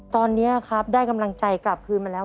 ตอนนี้ครับได้กำลังใจกลับคืนมาแล้ว